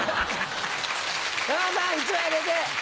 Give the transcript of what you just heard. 山田さん１枚あげて！